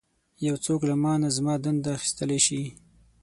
یو څوک له مانه زما دنده اخیستلی شي.